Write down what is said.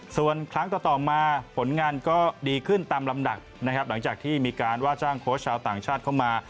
ส่วนครั้งต่อมาผลงานก็ดีขึ้นตามลำดับนะครับหลังจากที่มีการว่าจ้างโค้ชชาวต่างชาติเข้ามา